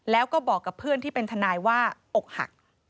แล้วก็บอกกับเพื่อนที่เป็นทนายว่าอกหัก